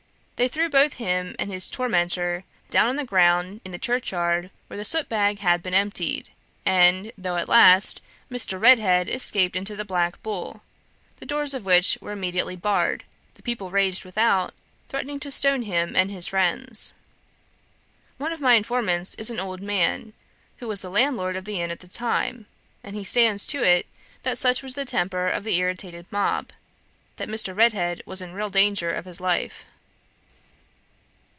They threw both him and his tormentor down on the ground in the churchyard where the soot bag had been emptied, and, though, at last, Mr. Redhead escaped into the Black Bull, the doors of which were immediately barred, the people raged without, threatening to stone him and his friends. One of my informants is an old man, who was the landlord of the inn at the time, and he stands to it that such was the temper of the irritated mob, that Mr. Redhead was in real danger of his life.